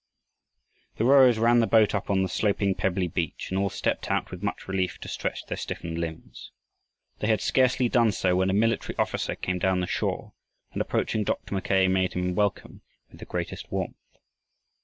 The rowers ran the boat up on the sloping pebbly beach and all stepped out with much relief to stretch their stiffened limbs. They had scarcely done so when a military officer came down the shore and approaching Dr. Mackay made him welcome with the greatest warmth.